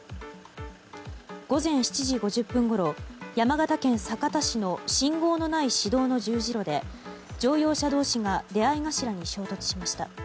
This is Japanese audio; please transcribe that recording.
午前７時５０分ごろ山形県酒田市の信号のない市道の十字路で乗用車同士が出合い頭に衝突しました。